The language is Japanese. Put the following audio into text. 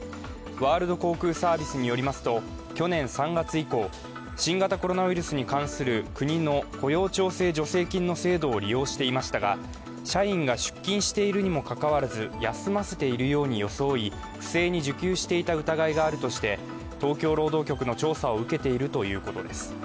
ワールド航空サービスによりますと去年３月以降新型コロナウイルスに関する国の雇用調整助成金の制度を利用していましたが社員が出勤しているにもかかわらず、休ませているように装い、不正に受給していた疑いがあるとして東京労働局の調査を受けているということです。